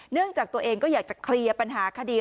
จากตัวเองก็อยากจะเคลียร์ปัญหาคดี